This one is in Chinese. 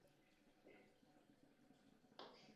黑老虎为五味子科南五味子属下的一个种。